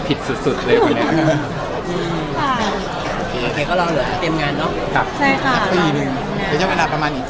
ประมาณขึ้นประมาณแล้วนะครับ